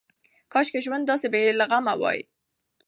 کاشکې ژوند داسې بې له غمه وای.